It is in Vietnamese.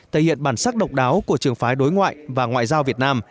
thể hiện bản sắc độc đáo của trường phái đối ngoại và ngoại giao việt nam